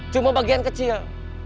cuma bagian kecil